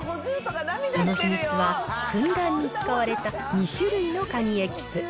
その秘密は、ふんだんに使われた２種類のカニエキス。